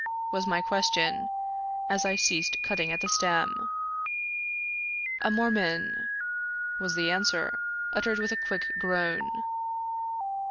" was my question, as I ceased cut ting at the stem. "A Mormon," was the answer, uttered with a groan.